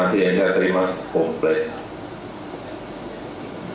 alkitab pernah menerima imbebs